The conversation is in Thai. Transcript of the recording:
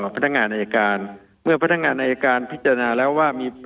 พนักงานอายการเมื่อพนักงานอายการพิจารณาแล้วว่ามี